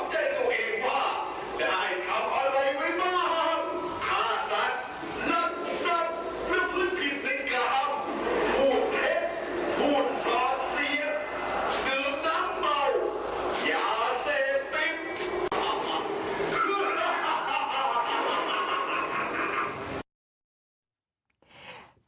พูดเท็จพูดสอนเสียดื่มน้ำเบาอย่าเสพิภัมษณ์